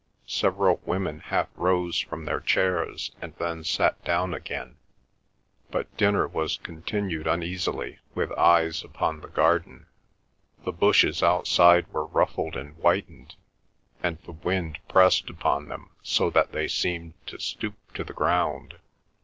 Several women half rose from their chairs and then sat down again, but dinner was continued uneasily with eyes upon the garden. The bushes outside were ruffled and whitened, and the wind pressed upon them so that they seemed to stoop to the ground.